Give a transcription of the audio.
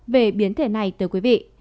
về biến thể này tới quý vị